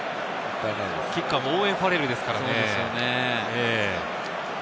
キッカーもオーウェン・ファレルですからね。